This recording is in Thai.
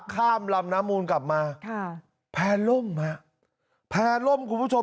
ข้ามลำน้ำมูลกลับมาแพ้ล่มนะครับแพ้ล่มคุณผู้ชม